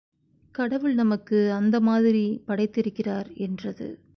கடவுள் நமக்கு அந்த மாதிரி படைத்திருக்கிறார் என்றது.